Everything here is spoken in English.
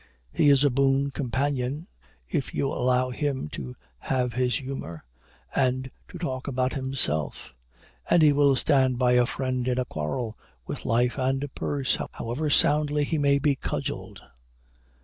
He is a boon companion, if you allow him to have his humor, and to talk about himself; and he will stand by a friend in a quarrel, with life and purse, however soundly he may be cudgeled.